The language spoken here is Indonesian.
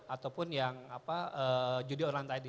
ataupun yang judi online tadi